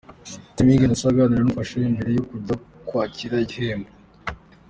Seninga Innocent aganira n'umufasha we mbere yo kujya kwakira igihembo.